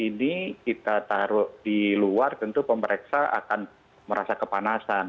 ini kita taruh di luar tentu pemeriksa akan merasa kepanasan